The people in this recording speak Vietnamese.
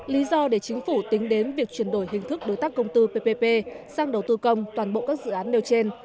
lý do để chính phủ tính đến việc chuyển đổi hình thức đối tác công tư ppp sang đầu tư công toàn bộ các dự án nêu trên